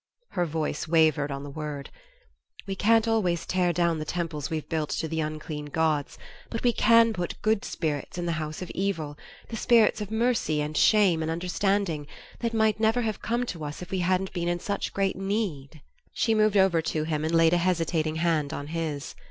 Her voice wavered on the word. "We can't always tear down the temples we've built to the unclean gods, but we can put good spirits in the house of evil the spirits of mercy and shame and understanding, that might never have come to us if we hadn't been in such great need...." She moved over to him and laid a hesitating hand on his.